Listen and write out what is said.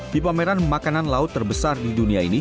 di pameran makanan laut terbesar di dunia ini